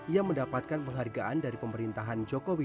ia mendapatkan penghargaan dari pemerintahan jokowi